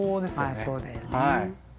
まあそうだよね。